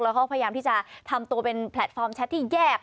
เขาพยายามที่จะทำตัวเป็นแพลตฟอร์มแชทที่แยก